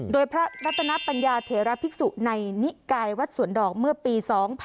โดยพระรัตนปัญญาเถระภิกษุในนิกายวัดสวนดอกเมื่อปี๒๕๖๒